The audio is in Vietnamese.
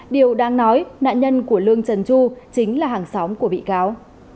điều đáng nói nạn nhân của lương trần chu chính là hàng xóm của bị cáo